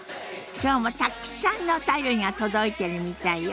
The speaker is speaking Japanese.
今日もたくさんのお便りが届いているみたいよ。